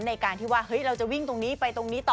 ในการที่ว่าเฮ้ยเราจะวิ่งตรงนี้ไปตรงนี้ต่อ